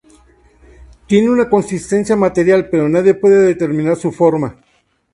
Tiene una consistencia material, pero nadie puede determinar su forma.